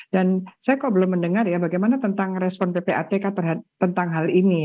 dan saya kok belum mendengar ya bagaimana tentang respon ppatk tentang hal ini